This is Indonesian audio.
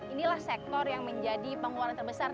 inilah sektor yang menjadi pengeluaran terbesar